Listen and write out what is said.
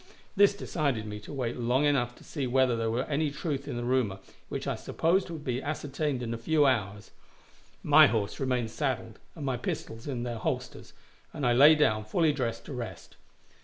This decided me to wait long enough to see whether there was any truth in the rumor, which I supposed would be ascertained in a few hours. My horse remained saddled and my pistols in the holsters, and I lay down, fully dressed, to rest.